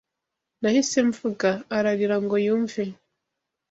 Nahise mvuga: ararira ngo yumve